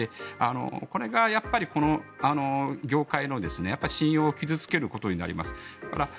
これがやっぱり業界の信用を傷付けることになります。